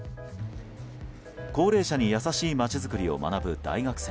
高齢者に優しい街づくりを学ぶ大学生。